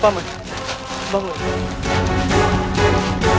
telah menabur racun